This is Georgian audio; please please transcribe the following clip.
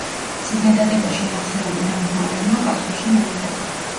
წინადადებაში ნახსენები დამხმარე ზმნა პასუხში მეორდება.